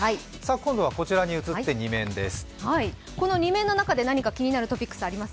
今度はこちらに移って２面です。